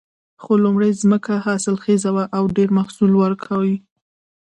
خو لومړۍ ځمکه حاصلخیزه وه او ډېر محصول ورکوي